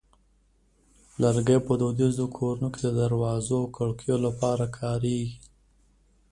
لرګی په دودیزو کورونو کې د دروازو او کړکیو لپاره کارېږي.